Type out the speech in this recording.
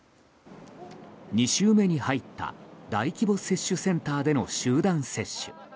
２週目に入った大規模接種センターでの集団接種。